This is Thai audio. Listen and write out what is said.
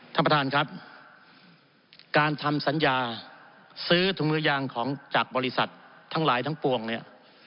ท่านประธานครับการทำสัญญาซื้อถุงมือยางของจากบริษัททั้งหลายทั้งปวงเนี่ย